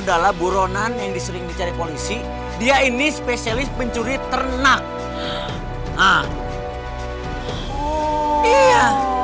adalah buronan yang disering dicari polisi dia ini spesialis pencuri ternak nah oh iya